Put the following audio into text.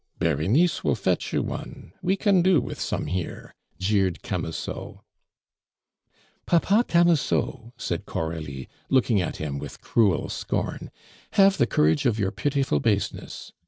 "Berenice will fetch you one; we can do with some here," jeered Camusot. "Papa Camusot!" said Coralie, looking at him with cruel scorn, "have the courage of your pitiful baseness.